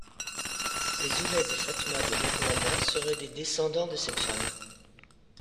Les Ouled Fatma de Merouana seraient des descendants de cette femme.